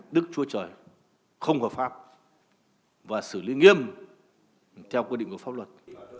đức chúa trời không hợp pháp và xử lý nghiêm theo quy định của pháp luật